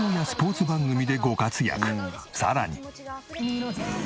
さらに。